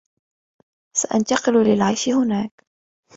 سأنتقل للعيش هناك.